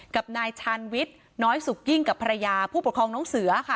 กับนายชาญวิทย์น้อยสุกยิ่งกับภรรยาผู้ปกครองน้องเสือค่ะ